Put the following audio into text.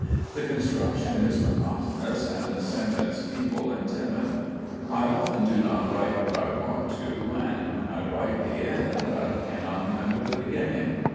The construction is monotonous, and the sentence feeble and timid. I often do not write what I want to, and when I write the end I cannot remember the beginning.